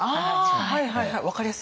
はいはいはい分かりやすい。